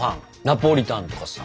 ナポリタンとかさ。